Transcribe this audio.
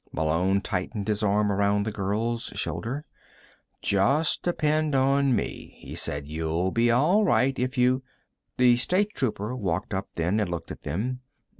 Malone tightened his arm around the girl's shoulder. "Just depend on me," he said. "You'll be all right if you " The State Trooper walked up then, and looked at them.